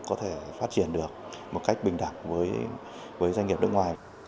có thể phát triển được một cách bình đẳng với doanh nghiệp nước ngoài